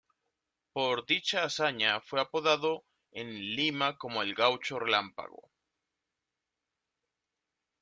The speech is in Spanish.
Por dicha hazaña fue apodado en Lima como "El Gaucho Relámpago".